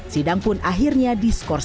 sidang pun akhirnya diskorsif